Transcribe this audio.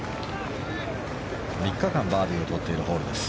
３日間バーディーを取っているホールです。